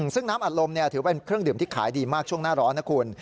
ซึ่งน้ำอัดลมถือเป็นเครื่องดื่มที่ขายดีมากช่วงหน้าร้อนนะคุณ